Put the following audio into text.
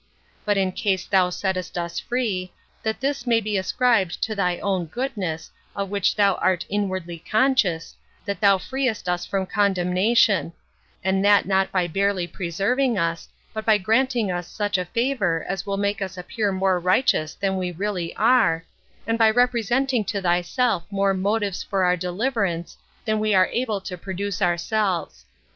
But in case thou settest us free, that this may be ascribed to thy own goodness, of which thou art inwardly conscious, that thou freest us from condemnation; and that not by barely preserving us, but by granting us such a favor as will make us appear more righteous than we really are, and by representing to thyself more motives for our deliverance than we are able to produce ourselves.